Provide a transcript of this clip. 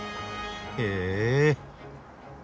へえ。